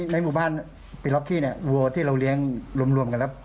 ในหมู่บ้านปิรกิเนี่ยวัวที่เราเลี้ยงรวมกันแล้วหลายร้อยครับ